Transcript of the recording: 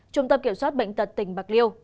trung tâm kiểm soát bệnh tật tỉnh bạc liêu